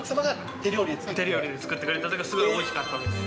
手料理で作ってくれたときは、すごいおいしかったです。